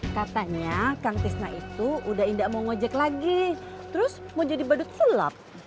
katanya kang tisna itu udah indah mau ngojek lagi terus mau jadi badut sulap